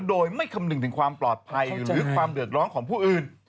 โดยไม่คำนึงถึงความปลอดภัยหรือความเดือดร้อนของผู้อื่น